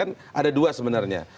kan ada dua sebenarnya